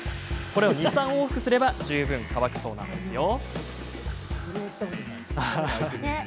これを２、３往復すれば十分乾くそうですよ。